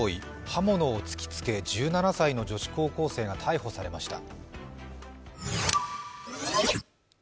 刃物を突きつけ１７歳の女子高校生が逮捕されました。